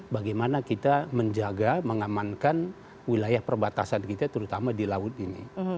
bagaimana kita menjaga mengamankan wilayah perbatasan kita terutama di laut ini